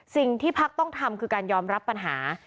สิ่งที่พักต้องทำคือการยอมรับปัญหา